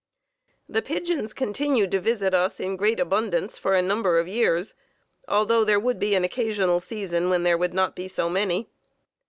The pigeons continued to visit us in great abundance for a number of years, although there would be an occasional season when there would not be so many.